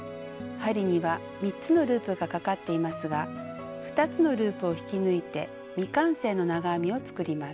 針には３つのループがかかっていますが２つのループを引き抜いて未完成の長編みを作ります。